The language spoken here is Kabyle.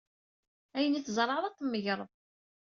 Ayen ay tzerɛed, ad t-tmegred.